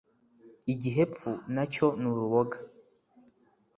igihepfu na cyo ni uruboga.